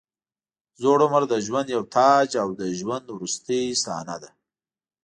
زوړ عمر د ژوند یو تاج او د ژوند وروستۍ صحنه ده.